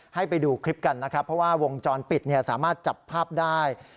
ให้ไปดูคลิปกันนะครับเพราะว่าวงจรปิดสามารถจับภาพได้